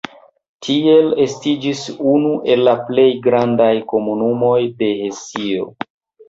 Tiel estiĝis unu el la plej grandaj komunumoj de Hesio.